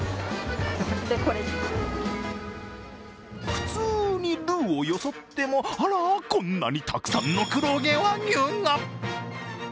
普通にルーをよそっても、あらこんなにたくさんの黒毛和牛が。